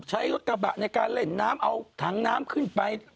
ใช้รถกระบะในการเล่นน้ำเอาถังน้ำขึ้นไป